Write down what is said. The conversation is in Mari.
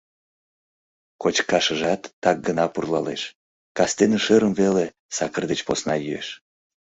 Кочкашыжат так гына пурлалеш, кастене шӧрым веле сакыр деч посна йӱэш.